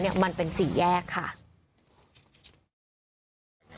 มีคนเสียชีวิตคุณ